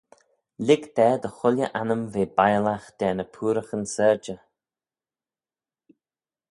Lhig da dy chooilley annym ve biallagh dy ny pooaraghyn syrjey.